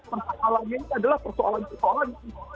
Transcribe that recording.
masalah ini adalah persoalan persoalan ini